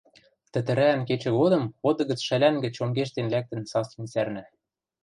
Тӹтӹрӓӓн кечӹ годым оты гӹц шӓлӓнгӹ чонгештен лӓктӹн саслен сӓрнӓ.